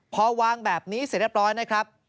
พอวางแบบนี้เสร็จเรียบร้อยนะครับ